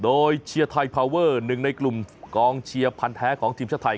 โดยเชียร์ไทยพาวเวอร์หนึ่งในกลุ่มกองเชียร์พันธ์แท้ของทีมชาติไทย